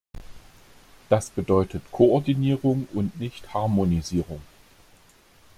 Das bedeutet Koordinierung und nicht Harmonisierung.